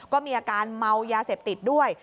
ก็มีอาการเมายาเสพติดด้วย